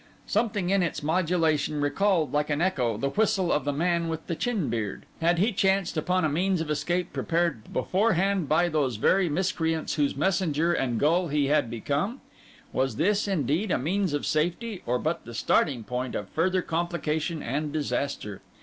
Something in its modulation recalled, like an echo, the whistle of the man with the chin beard. Had he chanced upon a means of escape prepared beforehand by those very miscreants whose messenger and gull he had become? Was this, indeed, a means of safety, or but the starting point of further complication and disaster?